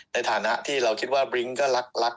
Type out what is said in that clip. ในฐานะที่เราคิดว่าบริ้งก็รัก